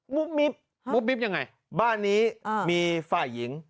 มุบมิบยังไง